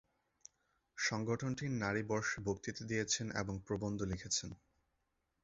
সংগঠনটির নারী বর্ষে বক্তৃতা দিয়েছেন এবং প্রবন্ধ লিখেছেন।